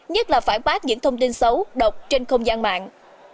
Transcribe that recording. nhất là phản bác những thông tin xấu độc trên không gian mạng